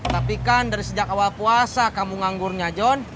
tapi kan dari sejak awal puasa kamu nganggurnya john